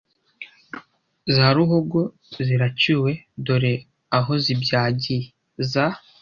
Za ruhogo ziracyuwe dore ahozibyagiye. za: